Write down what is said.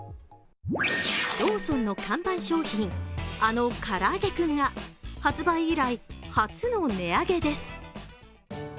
ローソンの看板商品、あのからあげクンが発売以来、初の値上げです。